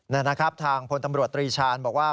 นะครับทางพลตำรวจตรีชาญบอกว่า